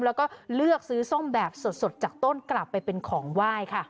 แล้วก็เลือกซื้อส้มแบบสดจากต้นกลับไปเป็นของไหว้ค่ะ